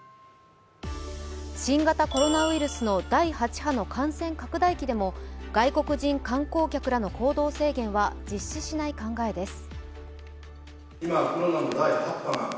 新型コロナウイルスの第８波の感染拡大期でも外国人観光客らの行動制限は実施しない考えです。